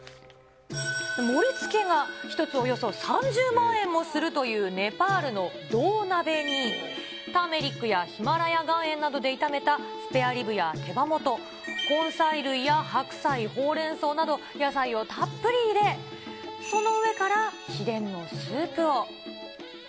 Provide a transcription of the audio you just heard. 盛りつけは１つおよそ３０万円もするというネパールの銅鍋に、ターメリックやヒマラヤ岩塩などで炒めたスペアリブや手羽元、根菜類や白菜、ほうれんそうなど、野菜をたっぷり入れ、その上から秘伝のスープを。